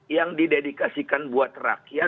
yang didedikasikan buat rakyat